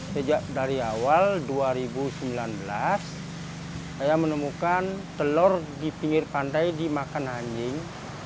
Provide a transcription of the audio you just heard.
sejak dari awal dua ribu sembilan belas saya menemukan telur di pinggir pantai dimakan anjing